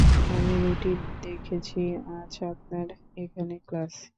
আমি রুটিনে দেখেছি, আজ আপনার এখানে ক্লাস।